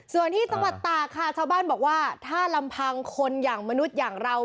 ส่วนที่จังหวัดตากค่ะชาวบ้านบอกว่าถ้าลำพังคนอย่างมนุษย์อย่างเรา